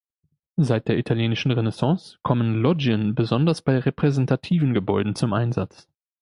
Seit der italienischen Renaissance kommen Loggien besonders bei repräsentativen Gebäuden zum Einsatz.